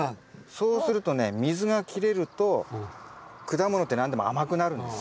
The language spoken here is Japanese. そうするとね水が切れると果物って何でも甘くなるんですよ。